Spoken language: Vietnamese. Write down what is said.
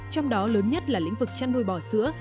trong đó lớn nhất là lĩnh vực chăn nuôi bò sữa